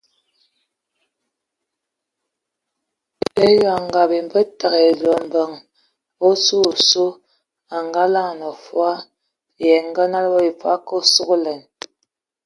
Eyɔŋ ngab bɛ yə a ekob ai e nyi osu yə a e lada ai dzə bi a tadi na bi aweme təgɛ ete, nala o a sugəlɛn fol kɔm esə.